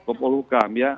pak kepulukan ya